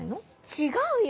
違うよ